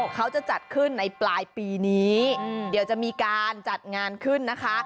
เขาจะจัดขึ้นในปลายปีนี้เดี๋ยวจะมีการจัดงานขึ้นนะคะ